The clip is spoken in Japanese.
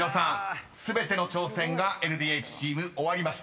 全ての挑戦がＬＤＨチーム終わりました］